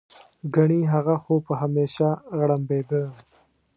ګنې هغه خو به همېشه غړمبېده.